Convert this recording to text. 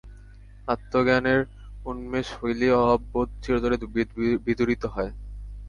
আত্মজ্ঞানের উন্মেষ হইলেই অভাববোধ চিরতরে বিদূরিত হয়।